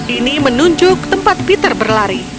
ini menunjuk tempat peter berlari